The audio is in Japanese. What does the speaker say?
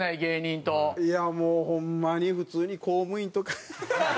いやもうホンマに普通に公務員とか。